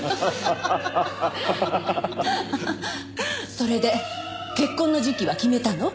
それで結婚の時期は決めたの？